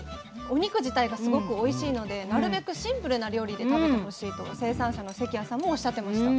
お肉自体がすごくおいしいのでなるべくシンプルな料理で食べてほしいと生産者の関谷さんもおっしゃってました。